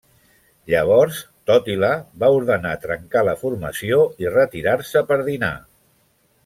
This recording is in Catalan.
Llavors Tòtila va ordenar trencar la formació i retirar-se per dinar.